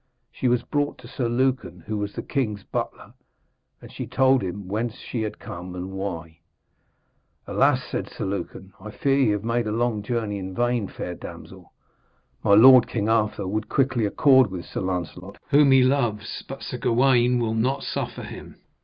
She was brought to Sir Lucan, who was the king's butler, and she told him whence she had come and why. 'Alas!' said Sir Lucan, 'I fear ye have made your journey in vain, fair damsel. My lord, King Arthur, would quickly accord with Sir Lancelot, whom he loves, but Sir Gawaine will not suffer him.'